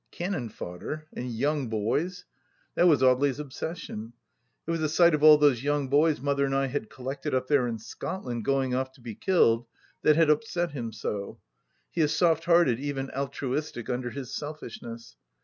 Cannon fodder — and young boys ! That was Audely's obsession. It was the sight of all those young boys Mother and I had collected up there in Scotland going oft to be killed that had upset him so. He is soft hearted, even altruistic, under his selfishness.